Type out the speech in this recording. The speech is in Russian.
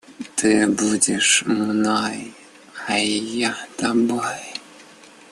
Ты будешь мной, а я тобой.